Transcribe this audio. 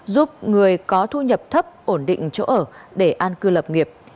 giúp người có thu nhập thấp ổn định chỗ ở để an cư lập nghiệp